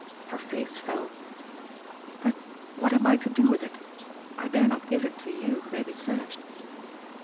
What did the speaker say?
Her face fell. "But what am I to do with it? I dare not give it to you who may be searched."